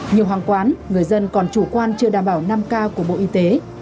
nhiều hàng quán người dân còn chủ quan chưa đảm bảo năm k của bộ y tế